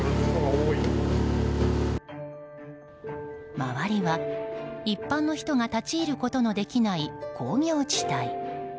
周りは、一般の人が立ち入ることのできない工業地帯。